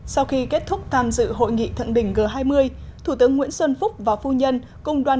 sau khi kết thúc tham dự hội nghị thận đỉnh g hai mươi thủ tướng nguyễn xuân phúc và phu nhân cùng đoàn